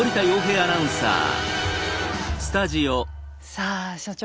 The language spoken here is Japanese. さあ所長